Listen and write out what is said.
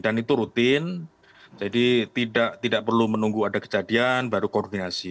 itu rutin jadi tidak perlu menunggu ada kejadian baru koordinasi